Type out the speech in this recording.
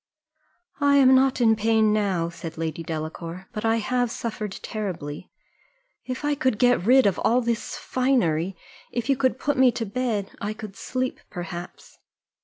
"I am not in pain now," said Lady Delacour, "but I have suffered terribly. If I could get rid of all this finery, if you could put me to bed, I could sleep perhaps."